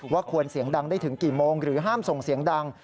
ควรเสียงดังได้ถึงกี่โมงหรือห้ามส่งเสียงดัง